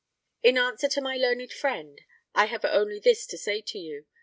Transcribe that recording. In answer to my learned friend, I have only this to say to you.